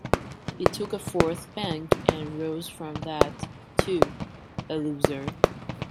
He took a fourth bank, and rose from that, too, a loser.